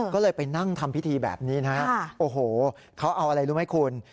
ก็เลยไปนั่งทำพิธีแบบนี้นะฮะโอ้โหเขาเอาอะไรรู้ไหมคุณ